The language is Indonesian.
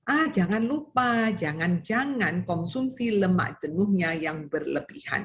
ah jangan lupa jangan jangan konsumsi lemak jenuhnya yang berlebihan